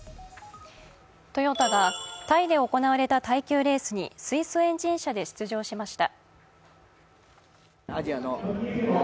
トヨタがタイで行われた耐久レースに水素エンジン車で出場しました。